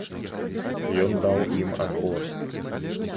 Ён даў ім адпор.